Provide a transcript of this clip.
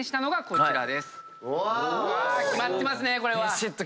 これは。